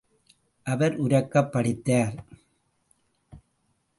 அவர் உரக்கப் படித்தார்.